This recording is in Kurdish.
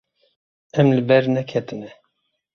Em li ber neketine.